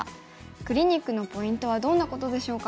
クリニックのポイントはどんなことでしょうか。